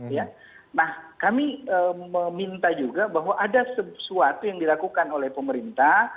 nah kami meminta juga bahwa ada sesuatu yang dilakukan oleh pemerintah